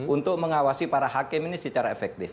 untuk mengawasi para hakim ini secara efektif